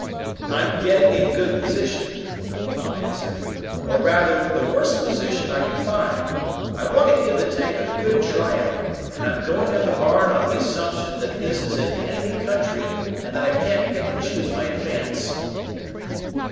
"I'm getting in good position," Tom answered. "Or rather, the worst position I can find. I want to give the tank a good try out, and I'm going at the barn on the assumption that this is in enemy country and that I can't pick and choose my advance.